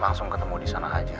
langsung ketemu disana aja